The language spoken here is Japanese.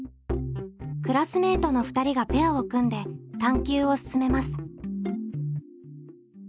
クラスメートの２人がペアを組んで探究を進めます。